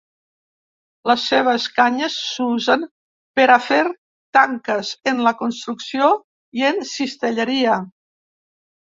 Les seves canyes s'usen per a fer tanques, en la construcció i en cistelleria.